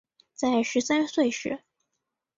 在十三岁时